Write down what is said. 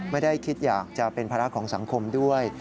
ไม่ได้คิดอยากจะเป็นภาระของสังคมด้วย